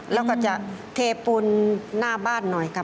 แล้วก็จะเทปูนหน้าบ้านหน่อยค่ะ